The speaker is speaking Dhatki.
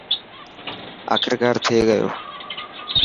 آخرڪار ٿي گيو.